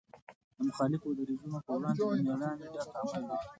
د مخالفو دریځونو په وړاندې له مېړانې ډک عمل دی.